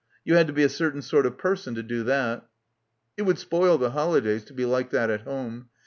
... You had to be a certain sort of person to do that. It would spoil the holidays to be like that at home.